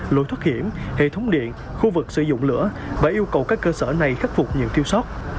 lối thoát hiểm hệ thống điện khu vực sử dụng lửa và yêu cầu các cơ sở này khắc phục những thiếu sót